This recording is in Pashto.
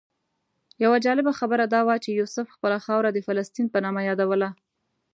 یوه جالبه خبره دا وه چې یوسف خپله خاوره د فلسطین په نامه یادوله.